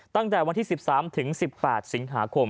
ตั้งแต่วันที่๑๓๑๘สิงหาคม